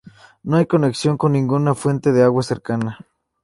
No hay conexiones con ninguna fuente de agua cercana.